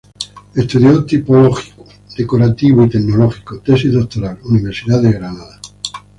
Estudio tipológico, decorativo y tecnológico, Tesis Doctoral", Universidad de Granada.